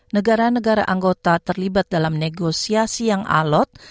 negara negara anggota terlibat dalam negosiasi yang alot